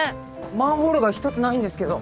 マンホールが１つないんですけど。